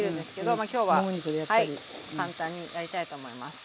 今日は簡単にやりたいと思います。